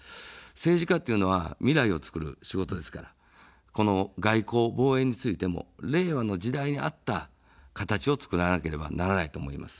政治家というのは未来をつくる仕事ですから、この外交、防衛についても令和の時代に合った形をつくらなければならないと思います。